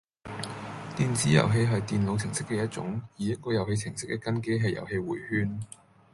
電子遊戲係電腦程式嘅一種，而一個遊戲程式嘅根基係遊戲迴圈